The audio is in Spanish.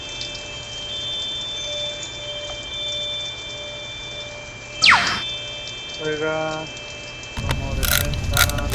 Entre las diferentes comunidades jurídicas operan varias concepciones sobre el Derecho.